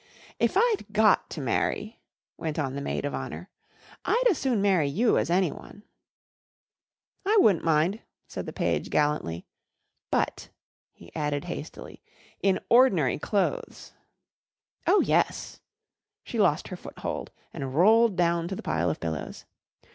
"If I'd got to marry," went on the maid of honour, "I'd as soon marry you as anyone." "I wu'nt mind," said the page gallantly. "But," he added hastily, "in ornery clothes." "Oh, yes," she lost her foothold and rolled down to the pile of pillows.